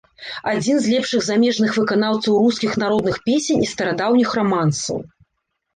Адзін з лепшых замежных выканаўцаў рускіх народных песень і старадаўніх рамансаў.